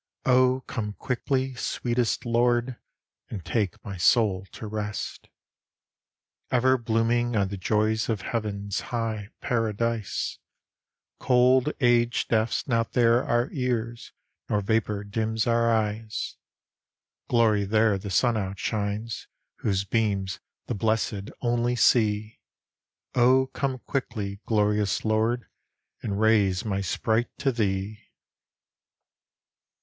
O come quickly, sweetest Lord, and take my soul to rest! Ever blooming are the joys of heaven's high Paradise; Cold age deafs not there our ears, nor vapor dims our eyes: Glory there the sun outshines, whose beams the Blessèd only see. O come quickly, glorious Lord, and raise my sprite to Thee!